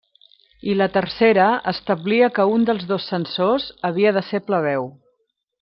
I la tercera establia que un dels dos censors havia de ser plebeu.